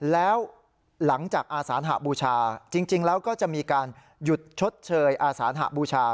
แล้วหลังจากอาสานหบูชาจริงแล้วก็จะมีการหยุดชดเชยอาสานหบูชา